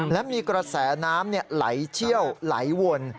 และมีกระแสน้ำไหลเชี่ยวไหลวน